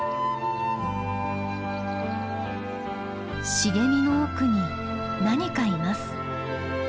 茂みの奥に何かいます。